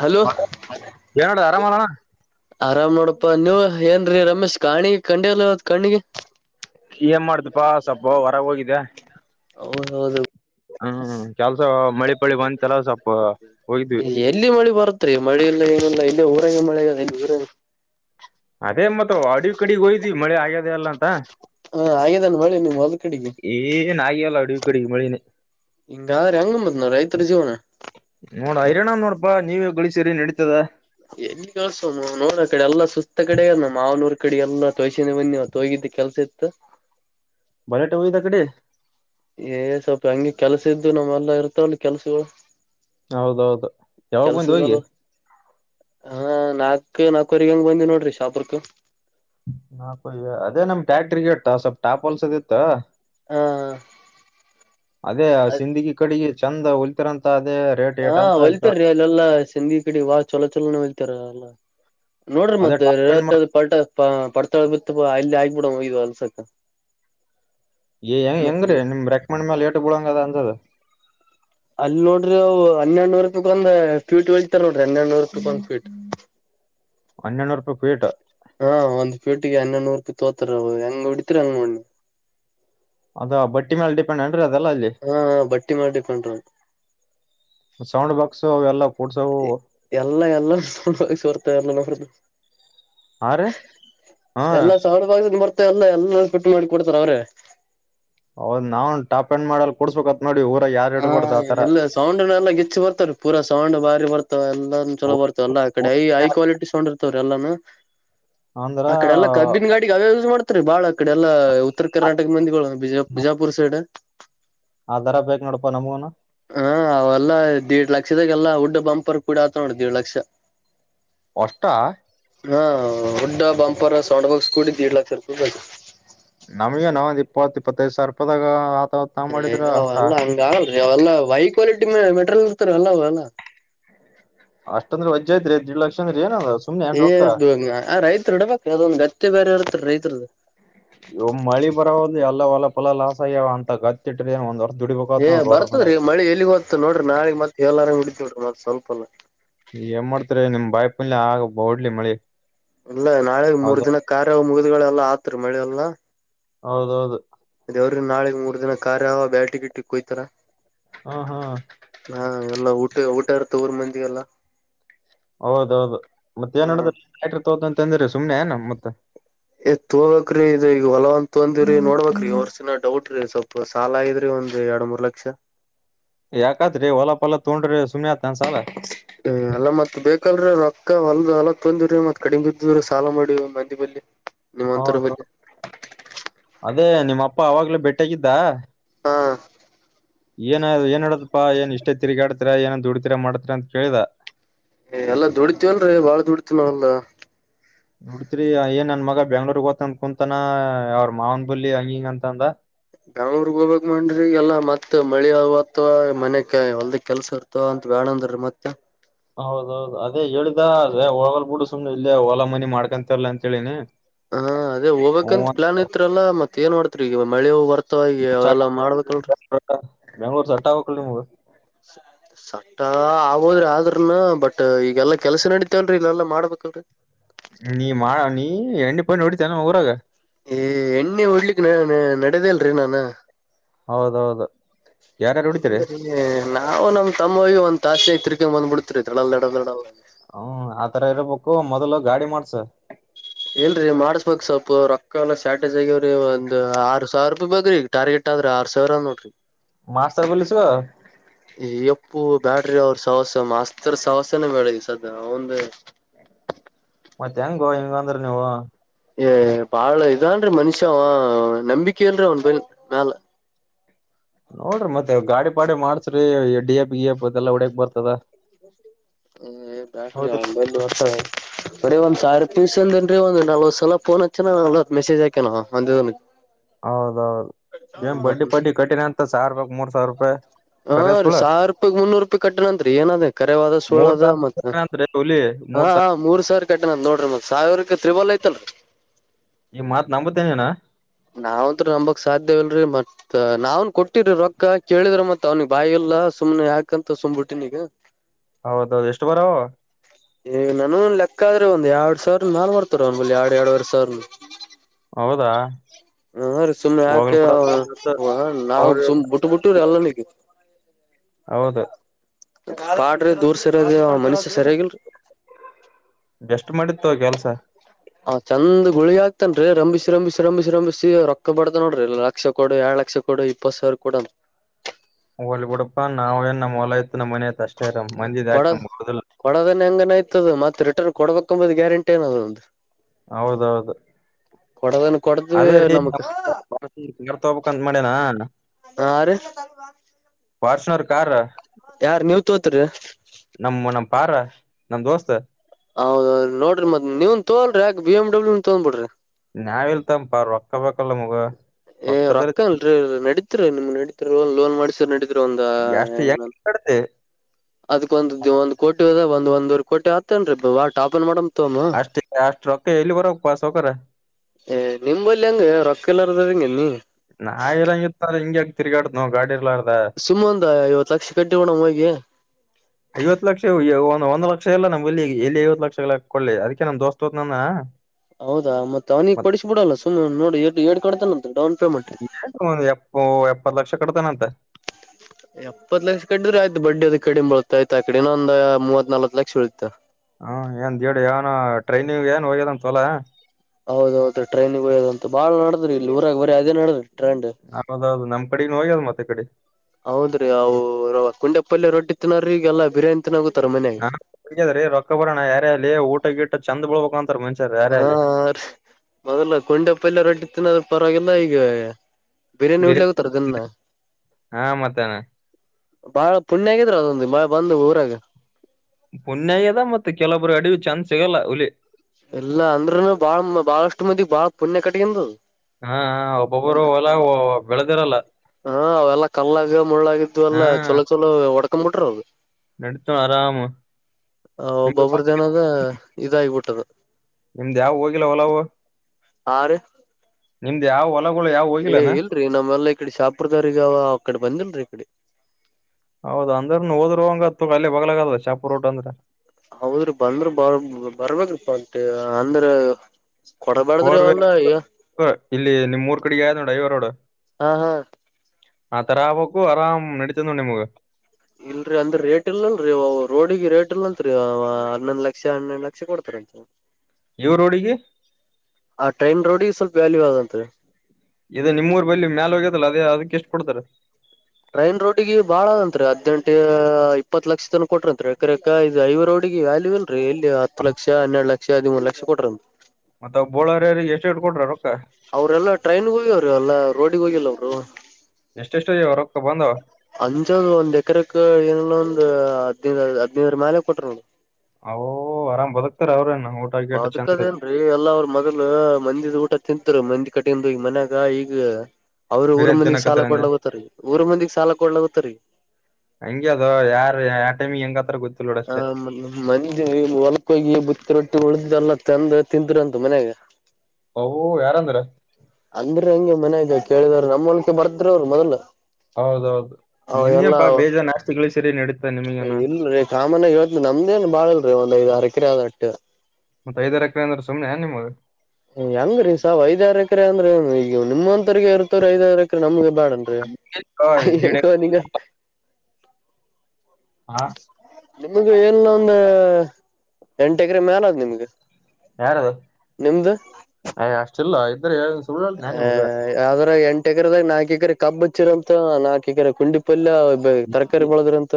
Hello ನೋಡ ಅರಾಮಲ್ಲಣ ಆರಾಮ್ ಮಾಡೋಪ್ಪಾ ನೀವ ಏನ್ರೀ ರಮೇಶ್ ಕಾಣಿ ಕಂಡೇಲ್ಲ ಇವತ್ ಕಣ್ಣಿಗೆ ಏನ್ ಮಾಡ್ದಪಾ ಸ್ವಲ್ಪ ಹೊರಗೆ ಹೋಗಿದ್ದೆ ಹೌದೌದು ಹ್ಮ್ ಕೆಲ್ಸ ಮಳೆ ಪಳಿ ಬಂತೆಲ್ಲ ಸ್ವಲ್ಪ ಹೋಗಿದ್ವಿ ಅ ಮಳೆಯ ಇಲ್ಲ ಏನಲ್ಲ ಇಲ್ಲ ಊರಗೆ ಮಳೆ ಇಲ್ಲ ಇಲ್ಲಿ ಅದೇ ಮತ್ತ ಅಡಿ ಕಡೆಯ್ದವಿ ಮಳೆ ಆಗ್ಯದ ಇಲ್ಲ ಅಂತ ಹಾ ಆಗಿದ್ದಾನನ್ ಹೋಳಿ ನೀ ಏನಾಗಿಲ್ಲ ಅಡಿವಿ ಕಡಿ ಮಳಿ ನೇ ಇಂಗಾದ್ರ ಹಂಗಮತ ರೈತರ ಜೀವನಾ ಅಪ್ಪಾ ನೀವೇ ಗಳಿಸಿರಿ ನಡೀತದ ಎಲ್ಲಿ ಗಳಸುನು ನೋಡ ಕಡೆ ಎಲ್ಲ ಸುಸ್ತ ಕಡೆ ನಮ್ಮ ಮಾವನವರ್ ಕಡೆ ಎಲ್ಲಾ ತೋಷಿನ ಬನ್ನಿ ತೋಗಿದ್ದ ಕೆಲ್ಸ ಇತ್ತು ಬರಟ ಹೋಗಿಯದ ಕಡೆ ಏ ಸ್ವಲ್ಪ ಹಂಗೆ ಕೆಲ್ಸ ಇದ್ದು ನಮ್ಮಹೋಲ್ಲಾ ಇರ್ತವ ಕೆಲ್ಸಗಳು ಹೌದೌದು ಯಾವಾಗ ಬಂದ ಕೆಲ್ಸದ ಮ್ಯಾಲ ಹೋಗಿ ಹಾ ನಾಕ್ ನಾಕವರೆಗ ಹಂಗ ಬಂದಿ ನೋಡ್ರಿ ಶಾಪುರ ನಾಲ್ಕುಯ್ಯ ಅದೇ ನಮ್ ಟ್ಯಾಕ್ಟ್ರಿಗೆ ಇಟ್ಟ ಸ್ವಲ್ಪ ಟಾಪ್ ಹೊಲ್ಸದಿತ್ತ ಹಾ ಅದೇ ಸಿಂದಗಿ ಕಡೆಗೆ ಚಂದ ಹೊಲ್ತಿರಂತ ಅದೇ ರೇಟ್ ಏಟ್ ಹಾ ಅಂತ ಹೊಲ್ತರಿ ಅಲ್ಲೆಲ್ಲಾ ಸಂದಿ ಕಡೆ ವಾ ಚೊಲೋ ಚಲೋನ ಹಲ್ತಾರ ಎಲ್ಲ ನೋಡ್ರಿ ಅದೇ ಟಾಪ್ ಹೆಂಗ್ ಮತ್ತವತ್ತ ಪಾಟ ಪಡ್ತಾಳ ಬಿತ್ತ ಇಲ್ಲಿ ಆಗ್ಬಿಡೋಗ ಹೋಲ್ಸಕ ಏ ಹೆಂಗ ಹೆಂಗ್ರೀ ನಿಮ್ ರೆಕ್ಮಣ್ಣ ಮ್ಯಾಲ ಏಟ ಬಿಳಂಗ ಅದ ಅನ್ಸದ ಅಲ್ಲಿ ನೋಡ್ರಿ ಹನ್ನೆರಡುನೂರ ರೂಪಾಯಿ ಒಂದ ಫೀಟ್ ಹೇಳ್ತಾರ ನೋಡ್ರಿ ಹನ್ನೆರಡ್ನೂರ ರೂಪಾಯಿ ಒಂದ್ ಫೀಟ್ ಹನ್ನೆನೂರೂಪಾಯಿ ಫಿಟ್ ಪೀಟಿಗೆ ಹನ್ನೊನೂರು ರೂಪಾಯಿ ತೋತಾರ ಅವ ಹೆಂಗ ಹಡತಿರಿ ಹಂಗ್ ನೋನ ಅದ ಬಟ್ಟಿ ಮೇಲೆ ಡಿಪೆಂಡ್ ಅ [unintelligible] ಹಾ ಬಟ್ಟಿ ಮಾಡಲಿ ಕೊಂಡ್ರರು ಸೌಂಡ್ ಬಾಕ್ಸ್ ಅವೆಲ್ಲ ಕೂಡ್ಸವು ಎಲ್ಲ ಎಲ್ಲಸೋರ್ [unintelligible] ಎ ಹಾ ರೀ ಹಾ ಎಲ್ಲ ಸ [unintelligible] ಮತ್ತೆ ಅಲ್ಲ ಎಲ್ಲ ಕಟ್ಟು ಮಾಡಿ ಕೊಡ್ತಾರ ಅವ್ರೆ ಹೌದ ನ್ನ್ ಟಾಪ್ ಎಣ್ ಮಾಡಲ್ ಕೊಡ್ಸ್ಬೇಕ ಹ ಎಲ್ಲ ಸೌಂಡ್ನ ಎಲ್ಲ ಗಿಚ್ಚ ಬರ್ತಾರ ಪೂರಾ ಸೌಂಡ್ ಬಾರಿ ಬರ್ತಾರ ಎಲ್ಲಾು ಚಲೋ ಊರ್- ಬರ್ತವ ಎಲ್ಲ ಆ ಊರ್- ಕಡೆ ೈ ಹೈ ಕ್ವಾಲಿಟಿ ಸೌಂಡ್ ಇರ್ತವ ಎಲ್ಲಾನು ಅಂದ್ರ ಆ ಕಡೆ ಎಲ್ಲಾ ಕಬ್ಬಿನ ಗಾಡಿಗೆ ಅವೇ ಯೂಸ್ ಮಾಡ ಹತ್ರಿ ಬಾಳ ಆ ಕಡೆ ಎಲ್ಲಾ ಉತ್ತರ ಕರ್ನಾಟಕ ಮಂದಿಗಳು ಬಿಜಾ ಬಿಜಾಪುರ್ ಸೈಡ್ ಆತರ [unintelligible] ಹಾ ಅವೆಲ್ಲ ದೇಡ್ ಲಕ್ಷದಾಗೆಲ್ಲ ಉುಡ್ ಬಂಪರ್ ಕೂಡ ಆತ ನೋಡ್ರ ದೇಡ್ ಲಕ್ಷ ಅಷ್ಟಾ ಹಾ ದೊಡ್ಡ ಬಂಪರ್ ಸೌಂಡ್ ಬಾಕ್ಸ್ ಕೂಡಿ ದೀಡ್ ಲಕ್ಷ ರೂಪಾಯಿ ಬು ನಮ್ಗೆ ನಾವ ಒಂದ್ ಇಪ್ಪತ್ ಇಪ್ಪತ್ತೈದು ಸಾವಿ ರೂಪಾಯಿದಾಗ ತಾ ಮಾಡಿದ್ರ ಅಷ್ಟ ಅವಲ್ಲ ಹಂಗ ಆಲ್ರಿ ಅವೆಲ್ಲ ವೈಕ್ ಕ್ವಾಲಿಟಿ ಮ ಮೆಟೀರಿಯಲ್ ಇರ್ತಾರ ಅಲ್ಲ ಅಲ್ಲ ಅಷ್ಟ ಅಂದ್ರೆ ವಜ್ಾಯತ್ರಿ ದಡ್ ಲಕ್ಷ ಅಂದ್ರ ಏನ ಏ ಆ ರೈತರು ಇಡಬೇಕು ಅದೊ ಒಂದು ಗತ್ತೆ ಬೇರೆ ಇರ್ತ ರೈತ್ರರದ ಇವ್ ಮಳಿ ಬರ ಒಂದ್ ಎಲ್ಲ ಹೊಲ ಪಲ ಲಾಸ್ಯ್ಯ ಆಗ್ಯಾವ ಅಂತ ಗತ್ತಿಟ್ರಿ ಏ ಒಂದ್ ವರ್ಷ ದುಡಿಬೇಕಾತ್ ಏ ನಾವ್ ಗೌಡ್ರ ಮನ್ಯಾಗ ಬರ್ತದ್ರೀ ಮಳಿ ಎಲ್ಲಿಗ್ ಹೋ್ತ್ ನೋಡ್ರಿ ನಾಳಗ್ ಮತ್ ಎಳ್ರಂಗ ಹಡತಿ ನಡ್ರಿ ಮತ್ ಸ್ವಲ್ಪಲ್ಲ ಏನ್ ಮಾಡ್ತರಿ ನಿಮ್ ಬಾಯಿ ಪಲ್ಯಾ ಹೊಡ್ಲಿ ಮಳಿ ಇಲ್ಲ ನಾಳೆ ಮೂರ್ ಹೌದು ದಿನ ಕಾರ್ಯ ಮುಗಿದುಗಳೆಲ್ಲಾ ಆತ್ರಿ ಮಳೆಲ್ಲಾ ಹೌದೌದು ಅದ ಅವ್ರ ನಾಳೆಗ್ ಮೂರ್ ದಿನ ಕಾರ್ಯ ಅವ ಬ್ಯಾಟಿ ಇಿಟ್ಟಿ ಕೊಯ್ತಾರ ಹಾ ಹಾ ಹಾ ಎಲ್ಲ ಊಟ ಊಟಾರ್ ತೊರ್ ಮಂದಿಗೆ ಎಲ್ಲ ಹೌದೌದು ಮತ್ತ ಏನ್ಡ ತತ ಅಂತಂದ್ರೆ ಸುಮ್ನೆ ಏನ ಮತ್ತತ್ ಏ್ ತೋಬಬೇಕಕ್್ರೀ ಇ ಈಗ ಹೊಲವಂದ ತೊಂದಿ್ರರಿ ನೋಡ್ಬಕ್್ರೀ ವರ್ಷಿನ ಡೌಟ್್ರೀ ಸ್ವಲ್ಪ ಸಾಲ ಆಗ್ರಿ ಒಂದು ಎರಡು ಮೂರು ಲಕ್ಷ ಯಾಕತ್ರಿ ಹೊಲಪ್ಲ ತೋೊಂಡ್ರಿ ಸುಮ್ಯಾತ್ ಏ ಅಲ್ಲ ಮತ್ ಬೇಕಲ್ರ ರಕ್ ಅ ಹೊಲ್ದ ಹೊಲತ್ ಬಂದ್ರಿ ಮತ್ ಕಡಿಗೆ್ದಿದ್ರೆ ಸಾಲ ಮಾಡಿವ ಮಂದಿ ಬಿ ಹೌದು ಅದೇ ನಿಮ್ಮಪ್ಪ ಅವಗ್ಲೇ ಭೇಟಗಿದ್ದ ಹಾ ಏನ ಏನ್ ಮಾಡಡದಪ್ಪಾ ಏನ್ ಇಷ್ಟ ತಿರ್ಗಾಡ್ತೀಾ ಏನ ದುಡ್ತಿೀರ ಮಾಡತೀರ ಅಂತ ಕೇಳಿದ ಎಲ್ಲಾ ದುಡತಿೀವಲ್ರರಿ ಬಾಳ ದುಡತಿವಿ ನಾವ ಎಲ್ಲಾ ನೋಡತ್ರಿ ಏನ್ ನನ್ ಮಗ ಬೆಂಗ್ಳೂರ್ಗ್ ಹೋ್ನ್ ಕುೂಂತಾನ ಅವ್ರ ಮಾವನ ಬಲ್ಲಿಿ ಹಂಗ ಹಿಂಗ ಅಂತಂದ ಬೆಂಗ್ಳೂರ್ಗ್ ಹೋಗ್ಕ್ ಮಾಡನ್್ರಿ ಎಲ್ಲ ಮತ್ ಮಳಿ ಅ ಅಥವಾ ಮನೆಕ್ ಹೊಲ್ದ ಕೆಲ್ಸ ಇರ್ತವ ಮ ಬಳಂದ ಮತ್ತೆ ಹೌದೌದು ಅದೇ ಹೇಳಿದ ಅದ ಹೋಗಲ್ ಬಿಡು ಸುಮ್ನೆ ಇಲ್ಲೇ ಓಲಾ ಮನಿ ಮಾಡ್ಕೊಂತರ್ಲ್ಲ ಅಂತನಿ ಹಾ ಅದೇ ಹೋಗ್ಬೇಕಂತ ಪ್ಲಾನ್ ಇತ್ತ್ರಲ್ಲ ಮತ್ತತ್ ಏನ್ ಮಾಡ್ತತಿರಿ ಈಗ ಮಳೆ ಬರ್ ಮ ಸಾಕ್ ಅವೆಲ್ಲ ಮಾಡ್ಬೇಕಲ್ರಿ ಬಿಡ್ಬೇಕ. ಬೆಂಗ್ಳೂರ್ ಸೆಟ್ ಆಗ್ಬೇಕಲ್ ನಿಮ್ಗ ಾ ಆಗೋದ್ರಿ ಆದ್ರನು ಬಟ್ ಈಗೆಲ್ಲಾ ಕೆಲ್ಸ ನಡತೇವನ್ರೀ ಇಲ್ಲ ಎಲ್ಲಾ ಮಾಡ್ಬೇಕಾವ್ರಿ ನೀ ಮಾಡ ನೀ ಎಣ್ಣ ಪಾಯ ನೋಡಿತಾನ ಊರಾಗ ಏ ಎಣ್ಣೆ ಹಡ್ಲಿಕ್ ನ ನಡೆದೇ ಅಲ್ರಿ ನಾನ ಹೌದೌದು ಯಾರ್ಯಾರು ಹೊಡಿತೀರಿ ಹೀ ನಾವು ನಮ್ ತಮ್ಮಿಗೆ ಒಂತ ಆಸೆ ಐತ್ ಂದ್ ಬಿಡ್ತೀರಿಡಲ್ಲಡಡಲ್ಲ ಹ್ಮ ಆತರ ಇರ್ಬೇಕು ಮೊದ್ಲು ಗಾಡಿ ಮಾಡಸ ಇಲ್ರರಿ ಮಾಡ್ಸ್ಬೇಕಕ್ ಸ್ವಲ್ಪ ರೊಕ್ಕ ಎಲ್ಲ ಸ್ಟಾರಟೇಜ್ ಆಗ್ಯವ್ರೀ ಒಂದ್ ಆರು ಸಾವಿರ ರೂಪಾಯಿ ಬಗ್್ರಿ ಟಾರ್ಗೆಟ್ ಆದ್ರ ಆರ್ ಸಾವರ ನೋಡಿ ಮಾಡ್ಸ ಬಲಿಸು ಎಪ್ಪು ಬ್ಯಾಟ್ರಿ ಅವರು ಸವಸ ಮಾಸ್ತರ್ ಸವಸ್ಯನೆ ಬೇಡ ಈ ಸದ ಒಂದು ಮತ್ತೆ ಹೆಂಗೋ ಹಿಂಗ ಅಂದ್ರ ನೀವು ಏ ಬಾಳ ಇದನ್ೀ ಮನುಷ್ಯ ಅವ ನಂಬಿಕೆರಿೀ ಅವನ್ ಬಯಲ್ ನಾಲ ಹೌ ನೋಡ್ರಿ ಮತ್ತೆ ಗಾಡಿ ಪಾಡಿ ಮಾಡ್ಸ್ರಿ ಡಿ ಎಪ್ ಗಿ ಎಪ್ ಅದೆಲ್ಲ ಹೊಡ್ಯಕ್ ಬರ್ತದ ಹ್ಮ ಬ್ಯಾಟ್ರಿ ಹೌದಿಲ್ಲ ಒಂದೈದು ವರ್ಷ [inaudible] ಬರೀ ಒಂದ್ ಸಾವಿರ ಪೀಸ ಅನ್ರಿ ಒಂದು ನಲ್ವತ್ತು ಸಲ ಫೋನ್ ಹಚ್ಚಾನ ನಲವತ್ತ ಮೆಸೇಜ್ ಹಾಕಣ ಅವಾಗ ಒಂದು ದಿನಕ್ಕೆ ಹೌದೌದು ಏನ್ ಬಡ್ಡಿ ಪಡ್ಡಿ ಕಟ್ಟಿ ರಂತ ಸಾವಿರ ರೂಪಾಯಿ ಕ್ ಮೂರ್ ಸಾವಿರ ರೂಪಾಯಿ ಹಾ ಕರೆ ರೀ ಸುಳ್ಳ ಸಾವಿರ ರೂಪಾಯಿ ಮುನ್ನೂರು ರೂಪಾಯಿ ಕಟ್ಟಣಂತ್ರಿ ಏನದೇ ಕರೆವದ ಮೂರ್ ಸುಳ್ಳ ಮತ್ತೆ ಸಾವಿರ ಅಂತ್ರಿ ಹುಲಿ ಹಾ ಹ ಸಾವಿರ ಮೂರ್ ಸಾವಿರ ಕಡ್ಡೆ ನ್ ನೋಡ್ರಿ ಮತ್ ಸಾವಿರಕ್ಕೆ ತ್ರಿಬಾಲ್ ಐತಲ್ರರಿ ಈ ಮಾತ್ ನಂಬತ್ತೇನೇನಾ ನಾವತ್ ನಂಬಕ್ ಸಾಧ್ಯವಲ್ರರಿ ಮತ್ ನಾವನ್ ಕೊಟ್ಟಿರಿ ರೊಕ್ಕ ಕೇಳಿದ್ರ ಮತ್ ಅವ್ನಿಗ್ ಬಾಯಿ ಇಲ್ ಎಲ್ಲಾ ಸುಮ್ನೆ ಯಾಕಂತ ಸುಂಬ್ಬಿಟ್ಟಿನಿಗ ಹೌದೌದು ಎಷ್ಟು ಬರುವ ಈ ನಾನೂ ಲೆಕ್ಕ ಆದ್ರೆ ಒಂದ್ ಎರಡ್ ಸಾವಿರ ಮ್ಯಾ ಲ್ ಬರ್ತಾರ ಅವನ್ ಬಲ್ಲಿ ಎರಡ್ ಎರಡ್ ವರೆ ಸಾವಿರ ಹೌದಾ ಹಾ ರೀ ಸುಮ್ನೆ ಹೋಗ್ಲಿ ಯಾಕೆ ಬಿಡಪ್ಪ ಮತ್ತ ನಾವು ಅವ್ರ ಸುಮ್ ಬಿಟ್ಟ ಬಿಟ್ಟಿವ್ರೀ ಅಲ್ಲನಿಗೆ ಹೌದು ಪಾಡ್ರಿ ದೂರ್ ಸರೋದ ಅವ ಮನುಷ್ಯ ಸರಿಯಾಗಿಲ್ರರಿ ಎಷ್ಟ್ ಮಾಡಿತ್ತು ಕೆಲ್ಸ ಹ ಚಂದ ಗುಳಿಗಾಕ ಅತ್ತ ರಂಬಿಸಿ ರಂಭಿಸಿ ರಂಭಿಸಿ ರಂಭಿಸಿ ರೊಕ್ಕ ಬರ್ಡ ನೋಡ್ರಿ ಲಕ್ಷ ಕೊಡ ಎರಡ್ ಲಕ್ಷ ಕೊಡ ಇಪ್ಪತ್ ಸಾವಿರ ಕೊಡ ನಮ್ಮ ಮ ಅಷ್ಟ ಕೊಡ ಕೊಡದನ್ನ ಹಂಗನ ಆಯ್ತದು ಮತ್ತತ್ ರಿಟರ್ನ್ ಕೊಡ್ಬೇಕಂಬದ್ ಗ್ಯಾರಂಟಿ ಏನದ ಒಂದು ಹೌದೌದು ಕೊಡದನ್ ಕೊಡ್ದ್ವಿ ಅದೇ ರೀ ನಮಗ್ ಮಾಡಾರ್ತಬಕ್ಂತ ಮಾಡೇನಾ ಆರಿ ವಾರ್ಷನರ್ ಕಾರ್ ಯಾರ್ ನೀವ ತೋತ್ರಿ ಕಾರ್ ನಮ್ ದೋಸ್ತ್ ಹೌದೌದು ನೋಡ್ರಿ ಮತ್ ನೀವನ್ ತೋಲ್ರಿ ಯಾಕ ಬಿ ಎಮ ಡಬ್ಲನ್ ತಗೋ ಬಿಡ್ರಿ ನಾವ್ ಇಲ್ತಂಪ ರೊಕ್ಕ ಬಲ್ಲ ನಮಗ ರೊಕ್ಕದ್ರ ಏ್ರೊಕ್ಕ ಅಲ್ರಿ ನಡೀತ್ರಿ ನಿಮ ನಡೀತ್ ಲೋನ್ ಮಾಡಸ ನಡ ಎಷ್ಟ್ ಒ ಹೆಂಗ್ ಕಡ್ತಿ ಅದಕ್ಕ ಒಂದು ಒಂದು ಕೋಟಿ ಒಂದು ಒಂದೂವರೆ ಕೋಟಿ ಆತೇನ ಬಾ ಟಾಪನ್ ಮಾಡ ಅಷ್ಟ ಅಷ್ಟ ರೋಕ್ಕ ಎಲ್ಲಿ ಬರ ಪಾಸ್ ಹಕರ ಏ ನಿಮ್ಮಲ್ಲಿ ಹಂಗ ರೊಕ್ಕ ಎಲ್ಲರ್ದ ಹಂಗೆ ನೀ ಸಾವಿರ ಹಂಗ ಇತ್ತತಾರ ಹಿಂಗ್ಯಗ ತಿಗಾಡ ನವು ಗಾಡಿ ಇರಲಾರದ ಸುಮ್ಮೊಂದ ಐವತ್ ಲಕ್ಷ ಕಟ್ಟಿ ಬಿಡುನೋ ಇದೇನು ಐವತ್ ಲಕ್ಷ ಒಂದ್ ಲಕ್ಷ ಎಲ್ಲ ನಮ್ ಇಲ್ಲಿ ಎಲ್ಲಿ ಐವತ್ತು ಲಕ್ಷಾ ಕೊಡ್ ಅದಕ್ಕೆ ನಮ್ ದೋಸ್ತ್ ಹೊತ್ನನ್ನ ಹೌದಾ ಮತ್ ಅವನಿಗೆ ಕೋಡಿಸಿಬಿಡಲ್ಲ ಸುಮ್ಮ್ ನೋಡಿ ಎಡು ಎಡ್ ಕಡೆತನು ಡೌನ್ ಪೇಮೆಂಟ್ ಎಪೋ ಎಪ್ ಎಪ್ಪತ್ ಲಕ್ಷ ಕಂಡ್ರೆ ಆಯ್ತು ಬಡ್ಡಿ ಅದಕ್ಕೆ ಈ ಕಡಿಮೆ ಬೀಳ್ತಾ ಆ ಕಡೆನ ಒಂದ ಮೂತ್ ನಲ್ತ್ ಲಕ್ಷ ಉಳೀತಾ ಹಾ ಏನ್ ದಡಿ ಅವನ ಟ್ರೈನಿಂಗ್ ಏನ್ ಹೋಗಿದ ಒಂದು ಸಲಾ ಹೌದೌದು ಟ್ರೈನಿಂಗ್ಯೋದ ಅಂತ ಬಾಳ ನಡದ್ರಿ ಇಲ್ಲಿ ಊರಾಗ ಬರರಿ ಅದೇ ನಡದ್ರಿ ಟ್ರೆಂಡ್. ಹೌದೌದು ನಮ್ ಕಡೆ ನೋ ಹೋಗ್ಯದ ಮತ್ತೆ ಈ ಹೌದ್ರಿ ಅವು ಕುಂಡೆಪಲ್ಲಿಯ ರೋಟ್ಟಿ ತಿನೋರ ಈಗ ಎಲ್ಲಾ ಬಿರಿಯಾನಿತ ಹಾದ್ರೀ ರೊಕ್ಕ ಬರೋಣ ಯಾರ್ಯ ಅಲ್ಲಿ ಊಟ ಗಿಟ್ಟ ಚಂದ್ ಬಳ್ಬೇಕಂತ ಹಾ ರೀ ಮೊದಲ ಕೊಂಡೆ ಪಲ್ಯ ರೊಟ್ಟಿ ತಿನ್ನದ್ರ ಪರವಾಗಿಲ್ಲ ಈಗ ಬಿರಿಯಾನಿ ಬಿ ಇಡ್ಲಾಗತ್ತಾರ ದಿನ್ನ. ಬಿರಿಯಾನಿ ಹಾ ಮತ್ತಾನೆ ಬಾಳ ಪುಣ್ಯ ಆಗಿದ್ರ ಅದೊಂದು ಮ ಬಂದು ಊರಾಗ ಪುಣ್ಯ ಇದ ಮತ್ತೆ ಕೆಲವೊಬ್ ಅಡಿವಿ ಚಂದ ಸಿಗಲ್ಲ ಹುಲಿ ಎಲ್ಲಾ ಅಂದ್ರೂನು ಬಾಳ ಬಾಳಷ್ಟು ಮಂದಗ್ ಬಾಳ ಪುಣ್ಯ ಕಟಗಂದು ಹಾ ಒಬ್ಬೊಬ್ಬರು ಹೊಲ್ಲ ಬೆಳೆದಿರಲ್ಲ ಹಾ ಅವೆಲ್ಲಾ ಕಲ್ಲಾಗ ಮುಳ್ಳಾಗಿದ್ದು ಹಾ ಎಲ್ಲಾ ಚಲೋ ಚೊಲೋ ಒಡ್ಕೊ್ಂಬ ಬಿಟ್ರ ಅವದು. ನಡೀತ್ ನೋಡ್ ಆರಾಮ್ ಆ ನಿಮ್ ಒಬ್ಬೊಬ್ರ್ದನದ ಇದಾಗಿಬಿಟ್ಟದ. ನಿಮ್ದ್ ಯಾವ ಹೋಗಿಲ್ಲ ಹೊಲವು ಆ ರ ನಿಮ್ದ್ ಯಾವ ಹೊಲಗಳು ಯಾವ್ ಏ ಹೋಗಿಲ್ಲನ ಇಲ್ರಿ ನಮ್ಮೆಲ್ಲಾ ಇಕಡೆ ಶಾಪದಾರಿಗ ಅ ಕಡೆ ಬಂದಿಲ್ರರಿ ಈಕಡೆ ಹೌದ ಅಂದ್ರನು ಹೋದ್ರು ಹಂಗತ್ತು ಅಲ್ಲಿ ಬಗ್ಲಾಗದ ಚಾಪು ರೋಟ್ ಅಂದ್ರೆ ಹೌದ್ರಿ ಬಂದ್ರಿ ಬ ಬರ್ಬೇಕ್ರಿಪ್ಪ ಅಂತ ಅಂದ್ರ ಕೊಡಬ್ಯಾಡ್ದ್ರಿ ಫೋರ್ ಅವಲ್ಲ ವ ಇಲ್ಲಿ ನಿಮ್ಮ್ೂರ್ ಕಡೆಗೆ ಯ್ದೋಡ ಐವರೋಡ ಹಾ ಹಾ ಆ ತರ ಆ ಬಕ್ಕು ಆರಾಮ್ ನಡತಂದ ನಿಮಗ ಇಲ್ರರಿ ಅಂದ್ರ ರೇಟ್ ಇಲ್ಲಲ್ರರಿ ರೋಡಿಗೆ ರೇಟ್ ಇಲ್ಲತ್ರಿ ಹನ್ನೊಂದ್ ಲಕ್ಷ ಹನ್ನೆ್ ಲಕ್ಷ ಕೊಡ್ತಾರ ಅಂತ ಇವ್ ರೋಡಿಗಿ ಆ ಟ್ರೈನ್ ರೋಡಿಿಗೆ ಸ್ವಲ್ಪ ವ್ಯಾಲಯೂ ಆದತ್ರಿ ಇೇ ನಿಮ್ಮ್ ಊರ್ ಬಳಿ ಮ್ಯಾಲ ಹೋಗ್ಯತಲ್ಲ ಅದೇ ಅದಕ್ಕೆ ಎಷ್ಟು ಕೊಡ್ತಾರೆ ರಟೈನ್ ರೋಡ್ಿಗೆ ಬಾಳ ಅದಂತ್ರಿ ಹದ್ೆಂಟ ಇಪ್ಪತ್ತು ಲಕ್ಷ ತನ ಕೊಟ್ರಂತ್ರಿ ಎಕ್ರ ಇದು ಐವ ರೋಡಿ ಈಗ ವ್ಯಾಲ್ಯೂ ಇಲ್ರರಿ ಇಲ್ಲಿ ಹತ್ತು ಲಕ್ಷ ಹನ್ನೆರಡು ಲಕ್ಷ ಹದಿಮೂರು ಲಕ್ಷ ಕೊಟ್ರಿ ಮತ್ತ ಅವ ಬೋಳಾರರಿಗೆ ಎಷ್ಟು ಎಟ್ ಕೊಡ್ರ ರೊಕ್ಕ ಅವ್ರಲ್ಲ ಟ್ರೈನ್ಗ ಹೋಗ್ಯವರು ಎಲ್ಲಾ ರೋಡಿಗ ಹೋಗಿಲ್ಲ ಅವರು ಎಷ್ಟ ಎಷ್ಟು ಅ ಅವರು ಅಂಜ ಒಂದ್ ಎಕರ್ಕ್ಕೆ ಏನ ಒಂದು ಹದಿನೈದು ಹದಿನೈದರ ಮಾಲಲೆ ಕೊ್ರರು ನೋಡಿ ಹ ಆರಾಮ್ ಬದಕ್ತಾರ ಅವ್ರೇನ ಊಟ ಗೀಟ ಚಂದ ಬದುಕದೇಏನ್ರೀ ಎಲ್ಲ ಅವ್ರ ಮಗಲ್ ಮಂದಿದ ಊಟ ತಿಂತರು ಮಂದಿ ಕಟ್ಟಂದು ಈ ಮನ್ಯಾಗ ಈಗ ಅವ್ರರು ಊರ್ ಬಿರಿಯಾನಿ ಮಂದಿಗ್ ಸಾಲ ತಿನ್ನಕತ್ತಾರ ಅಂದೆ ಕೊಡ್ಲಾಗತ್ತಾರೀ ಊರ್ ಮಂದಿಗ್ ಸಾಲ ಕೊಡ್ಲಗತ್ತಾರೀ ಹಂಗಗೆ ಅದು ಯಾರ ಯ ಟೈಮಿಗೆ ಹೆಂಗತ್ರ ಗೊತ್ತ ಹ ಮಂಜೆ ಹೊಲ್ಕ್ಕೋಗಿ ಬುತ್ತ ರೊಟ್ಟಿ ಉಳ್ದಲ್ಲ ತಂದ ತಿಂದರುಂತು ಮನೆಯಗೆ ಯಾರಂದ್ರ ಅಂದ್ರ ಹಂಗೆ ಮನೆ ಇದ ಕೇಳಿದವರು ನಮ್ಮ್ ಹೊಲಕೆ ಬರ್ದ್ರ ಅವ್ರು ಮೊದ್ಲು ಹೌದೌದು ಅವ ಎಲ್ಲ ನಿಮ್ಗೆಪಾ ಬೇಜಾನ್ ಆಸ್ತಿಗಳ ಸರಿ ನಡೀತಾ ನಿಮಗೇನ ಇಲ್ಲೀ ಕಾಮನ್ಾಗ ಹತ್ ನಮ್ದೇಏನ್ ಬಾಳಲ್ರಿೀ ಒಂದ್ಐ್ ಅರಕರೆ ಆದ ಹಟ್ಟ ಮತ್ತತ್ ಐದರ ಎಕರೆ ಅಂದ್ರೆ ಸುಮನೆ ನಿಮಗೆ ಹೆಂಗ್ರೀ ಸ ಐದ್ಯಾರು ಎಕರೆ ಅಂದ್ರೆ ಈ ನಿಮ್ಮಂತ. ಇತ್ತಗ ಇರತ್ತವ್ರ ಐದವರ ಎಕ್ರ ನಮ್ಗೆ ಬಾಡನ್ರಿ ಜೀಡೆ ಈಕಗ. ಹಾ ನಿಮಗ ಏನ ಒಂದ. ಎಂಟು ಎಕರೆ ಮ್ಯಾಲದ ನಿಮ್ಗೆ ನಿಮ್ದ ಅಯ್ ಅಷ್ಟಲ್ಲ ಇದ್ರೆ ಏ ಸುಳ್ಳಲ್ಲ ನ ನಿಮ್ಗ. ಅದ್ರ ಎಂಟ ಎಕರೆದಾಗ ನಾಕ ಎಕರೆ ಕಬ್ಬ ಚಿರ ಅಂತ ನಾಲ್ಕ ಎಕರೆ ಕುಂಡಿಪ. ಇಲ್ಲ ತರಕಾರಿ ಬಳದ್ರಂತ.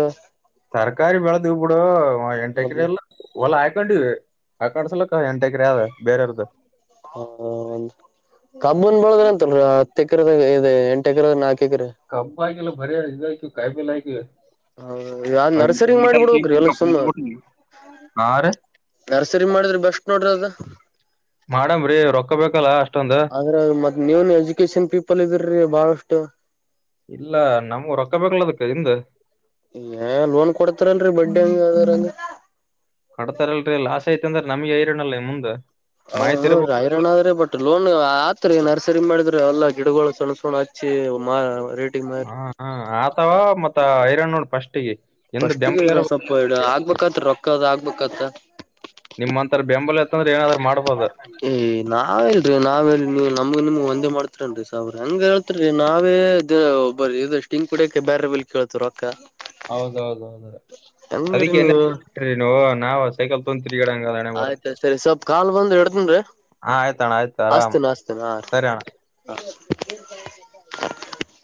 ಹ ಎಂಟ ಎಕ್ರ ಎಲ್ಲ ಹೊಲ್ಲಾ ಹಾಕೊಂಡಿವವಿ ಹಾಕೊಂಡ್ ಸಲಕ ಎಂಟ ಎಕ್ರ ಆದ ಬೇರೆಯವ್ರದ ಹಾ ಒಂದು ಕಬ್ಬಂದ ಬಳದ್ರ ಅಂತಲ್ರರಿ ಹತ್ತು ಎಕರದ ಇ ಎಂಟ ಎಕರದ ನಾಕು ಕಮ್ಮಪ ಆಯಕಲ್ಲ ಬರಿಕ ಕಾಯಮೇಲೆ ಆಯಕು ಹ ಯಾವ್ ನರ್ಸರಿ ಮಾಡಿಬಿಡೋಗ್ರಿ ಎಲ್ಲ ಸುಮ್ಮ ಹಾ ರೀ ನರ್ಸರಿ ಮಾಡಿದ್ರೆ ಬಸ್ ನೋಡ್ರಿ ಅದ ಮಾಡಮ್ರಿ ರೊಕ್ಕ ಬಲ್ಲ ಅಷ್ಟ ಆದ್ರ ಮತ್ತ ನೀವನ್ ಎಜುಕೇಶನ್ ಪೀಪಲ್ ಇದ್ರಿ ಬಹಳಷ್ಟು. ಇಲ್ಲ ನಮ್ಗೂ ರೊಕ್ಕ ಬಲ್ಲದಕ್ಕ ಹಿಂದ. ಏ ಲೋನ್ ಕೊಡ್ತಾರಲ್ರರಿ ಬಡ್ಡ ಹಂಗ ಯಾವ್ದಾರಂಗ. ಕಡ್ತಾರಲ್ರರಿ ಲಾಸ್ ಐತ ಅಂದ್ರ ನಮ್ಗೆ ಐರೋನಲ್ಲ ಮುಂದ್ ಹೌದು ರಾಯರಾಣ ಆದ್ರೆ ಬಟ್ ಲೋನ್ ಆತ್ರಿ ನರ್ಸರಿ ಮಾಡಿದ್ರೆ ಎಲ್ಲ ಗಿಡಗಳು ಸಣ್ ಸಕೊಂಡ ಹಚ್ಚಿ ರೇಟಿಗೆ ಮಾರಿ ಹಾ ಹ ಆತವಾ ಮತ್ತ ಹಐರಣ್ಣ ನೋಡ್ ಪಫಸ್ಟಿಗೆ ಫಸ್ಟ್ಿಗೆ ಸ್ವಲ್ಪ ಇಡ ಆಗ್ಬತ್ ರೊಕ್ಕದ ಆಗ್ಬೇಕತ್ತ ನಿಮ್ಮ್ ಅಂತರ ಬೆಂಬಲಯತ್ತಂದ್ರ ಏ ನಾವ್ ಹೇಳ್ರಿ ನಾವ್ ಹೇಳ ನಮ್ ನಿಮ್ ಒಂದ ಮಾಡತರಿೇನ್ ಸಾವ್ರ ಹಂಗ ಹೇತ ನಾವೇ ಇದ ಒಬ್ಬ್ಟಿಂಗಕ್ ಕುಡ ಬೇರೆ ಬಲ್ ಕೇಳ್ತು ರ ಅಕ್ಕ ಹೌದೌದ ಹೌದು ಅದಕ್ಕೆ ನೀ ನಾವು ಸೈಕಲ್ ತೊಗೊಂಡ್ ತಿರ್ಗಾಡಂಗ ಹಣೆ ಬರ ಆಯ್ತಾಯ್ ಸರಿ ಸ್ವಲ್ಪ ಕಾಲ್ ಬಂದ ಎಡ್ತನ್ ಹಾ ಆಯ್ತಣ್ಣ ಆಯ್ತು ಆರಾಮ್ ಅಸ್ತನು ಅಸ್ತನ ಸರಿ ಅಣ್ಣ ಹಾ ಹ್ಮ್